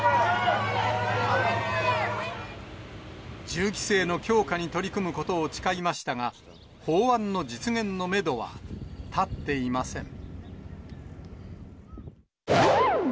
銃規制の強化に取り組むことを誓いましたが、法案の実現のメドは立っていません。